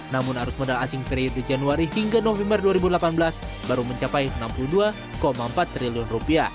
namun arus modal asing periode januari hingga november dua ribu delapan belas baru mencapai rp enam puluh dua empat triliun